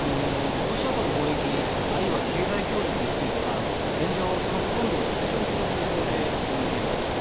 ロシアとの貿易あるいは経済協力については現状、そのほとんどを縮小する方向で進めています。